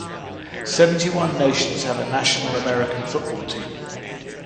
Seventy-one nations have a national American football team.